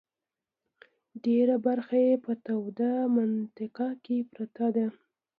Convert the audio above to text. ډېره برخه یې په توده منطقه کې پرته ده.